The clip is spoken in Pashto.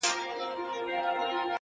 که مو بېل کړمه بیا نه یمه دوستانو؛